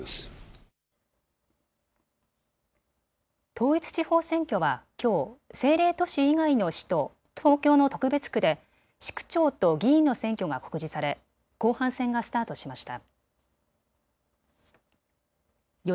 統一地方選挙はきょう、政令都市以外の市と東京の特別区で市区長と議員の選挙が告示され後半戦がスタートしました。